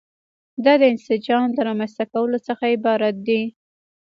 دا د انسجام د رامنځته کولو څخه عبارت دي.